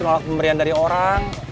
nolak pemberian dari orang